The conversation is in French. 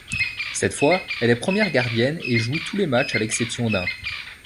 Cette fois, elle est première gardienne et joue tous les matchs à l'exception d'un.